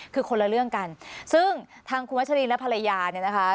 คือคนละเรื่องกันซึ่งทางคุณวัชรีและภรรยาเนี่ยนะคะ